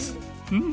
うん。